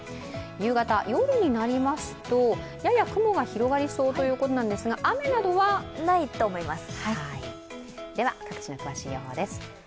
夕方、夜になりますと、やや雲が広がりそうということなんですが雨などはないと思います。